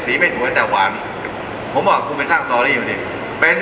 สีไม่ถูกจะแต่หวานผมบอกกลุ่มเป็นท่ากล้วยมั้นดิ